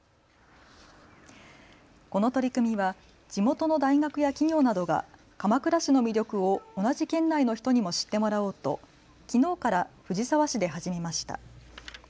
この取り組みは地元の大学や企業などが鎌倉市の魅力を同じ県内の人にも知ってもらおうときのうから藤沢市で始めました。